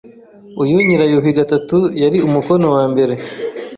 Uyu Nyirayuhi III yari umukono wambere